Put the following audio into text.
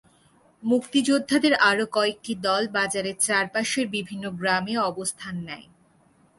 মুক্তিযোদ্ধাদের আরও কয়েকটি দল বাজারের চারপাশের বিভিন্ন গ্রামে অবস্থান নেয়।